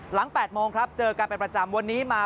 ๘โมงครับเจอกันเป็นประจำวันนี้มา